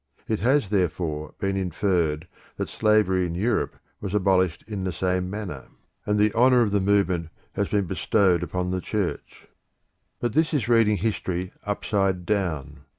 It has, therefore, been inferred that slavery in Europe was abolished in the same manner, and the honour of the movement has been bestowed upon the Church. But this is reading history upside down.